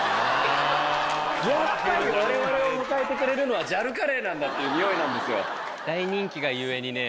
やっぱり我々を迎えてくれるのはＪＡＬカレーなんだっていうニオイなんですよ。